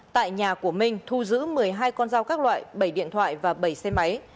tại nhà của minh thu giữ một mươi hai con dao các loại bảy điện thoại và bảy xe máy